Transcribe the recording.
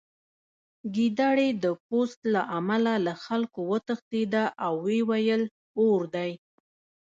ګیدړې د پوست له امله له خلکو وتښتېده او ویې ویل اور دی